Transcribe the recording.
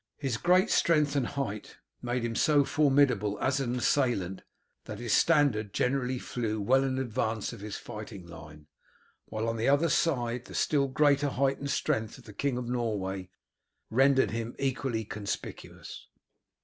His great strength and height made him so formidable an assailant that his standard generally flew well in advance of his fighting line, while on the other side the still greater height and strength of the King of Norway rendered him equally conspicuous.